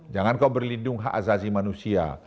jangan kau berlindung hak azazi manusia